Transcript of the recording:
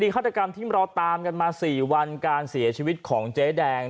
ฆาตกรรมที่เราตามกันมา๔วันการเสียชีวิตของเจ๊แดง